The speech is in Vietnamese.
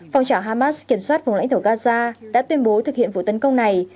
phòng trả hamas kiểm soát vùng lãnh thổ gaza đã tuyên bố thực hiện vụ tấn công này